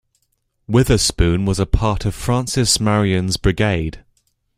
Witherspoon was a part of Francis Marion's brigade.